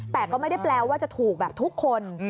แต่ก็ไม่ได้แปลว่าจะถูกแบบทุกคน